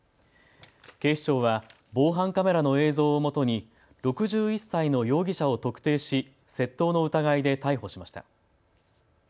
警視庁は防犯カメラの映像をもとに６１歳の容疑者を特定し、窃盗の疑いで逮捕しました。